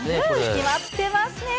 きまってますね。